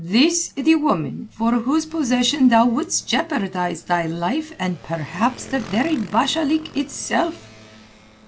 This the woman for whose possession thou wouldst jeopardize thy life and perhaps the very Bashalik itself!"